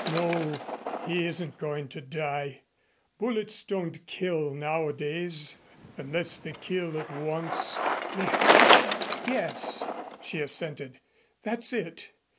"No, he isn't going to die. Bullets don't kill nowadays unless they kill at once." "Yes yes," she assented. "That's it.